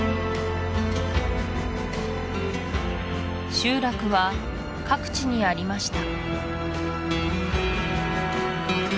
集落は各地にありました